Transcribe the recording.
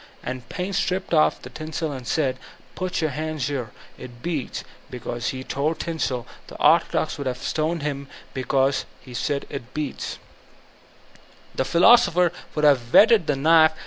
And Paine stripped off the tinsel and said, ''Put your hand here, — ^it beats" ; and because he tore the tinsel, the orthodox would have stoned him ; and because he said "it beats," the philosofAers would have whetted the knife.